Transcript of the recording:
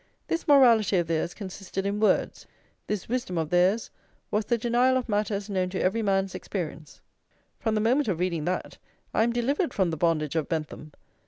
This morality of theirs consisted in words; this wisdom of theirs was the denial of matters known to every man's experience." From the moment of reading that, I am delivered from the bondage of Bentham!